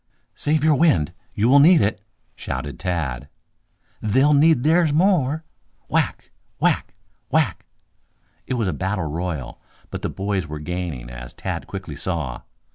"Save your wind; you will need it," shouted Tad. "They'll need theirs more." Whack! Whack! Whack! It was a battle royal. But the boys were gaining, as Tad quickly saw.